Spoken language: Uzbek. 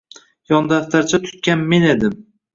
Yndaftarcha tutganmen edim.